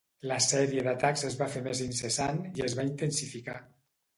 La sèrie d'atacs es va fer més incessant i es va intensificar.